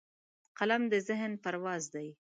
قلم د ذهن پرواز دی